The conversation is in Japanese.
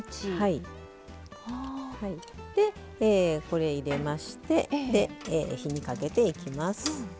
これ入れまして火にかけていきます。